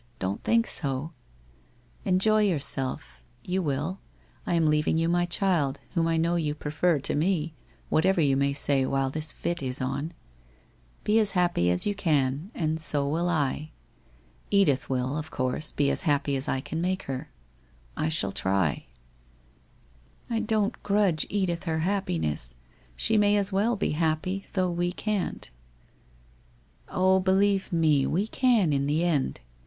Don't think so. Enjoy j ourself. You will. I am leaving you my child, whom I know you prefer to me, whatever you may say while this fit is on. Be as happy as you can, and so will I. Edith will, of course, be as happy as I can make her. I shall try/ ' I don't grudge Edith her happiness. She may as well be happy, though we can't/ ' Oh, believe me, we can, in the end.